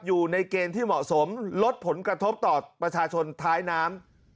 อยู่ในเกณฑ์ที่เหมาะสมลดผลกระทบต่อประชาชนท้ายน้ำ